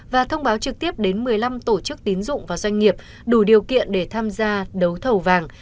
và thông báo trực tiếp đến một mươi năm tổ chức tín dụng và doanh nghiệp đủ điều kiện để tham gia đấu thầu vàng